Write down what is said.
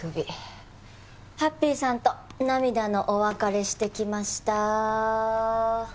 ハッピーさんと涙のお別れしてきました。